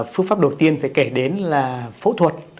phương pháp đầu tiên phải kể đến là phẫu thuật